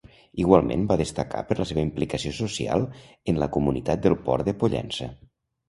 Igualment va destacar per la seva implicació social en la comunitat del Port de Pollença.